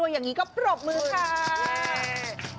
อย่างนี้ก็ปลดมือค้าาา